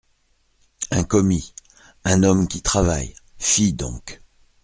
Un commis, un homme qui travaille, fi donc !